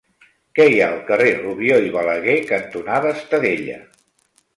Què hi ha al carrer Rubió i Balaguer cantonada Estadella?